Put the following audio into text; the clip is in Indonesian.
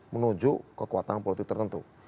menuju kekuatan politik tertentu